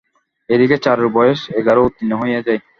এ দিকে চারুর বয়স এগারো উত্তীর্ণ হইয়া যায়।